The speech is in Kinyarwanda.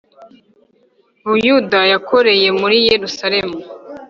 Buyuda yakoreye muri Yerusalemu